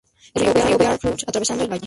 El río Bear fluye atravesando el valle.